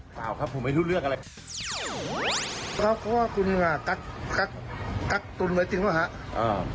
เปล่าครับผมไม่ทุนเรื่องอะไร